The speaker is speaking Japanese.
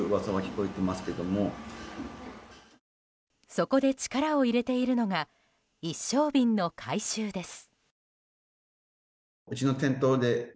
そこで力を入れているのが一升瓶の回収です。